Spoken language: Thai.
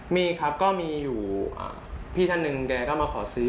มีครับก็มีอยู่พี่ท่านหนึ่งแกก็มาขอซื้อ